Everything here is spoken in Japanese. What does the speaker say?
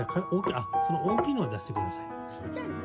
その大きいのは出して下さい。